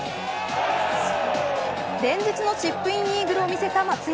連日のチップインイーグルを見せた松山。